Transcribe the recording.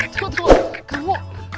tunggu tunggu kamu